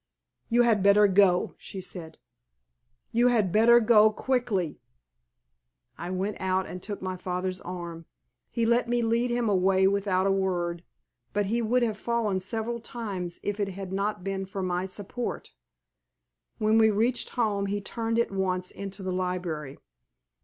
"You had better go," she said. "You had better go quickly." I went out and took my father's arm. He let me lead him away without a word; but he would have fallen several times if it had not been for my support. When we reached home he turned at once into the library.